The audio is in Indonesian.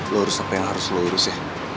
lo urus apa yang harus lo urus ya